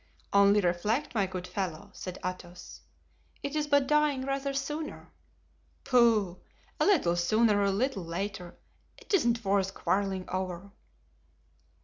"Only reflect, my good fellow," said Athos, "it is but dying rather sooner." "Pooh! a little sooner or a little later, it isn't worth quarreling over."